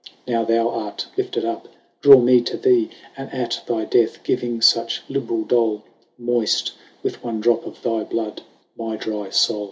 Now thou art lifted up, draw mee to thee, And at thy death giving fuch liberall dole, Moyft, with one drop of thy bloody my dry foule.